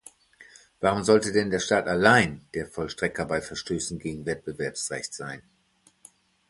Warum sollte denn der Staat allein der Vollstrecker bei Verstößen gegen Wettbewerbsrecht sein?